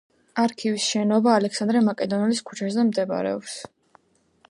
არქივის შენობა ალექსანდრე მაკედონელის ქუჩაზე მდებარეობს.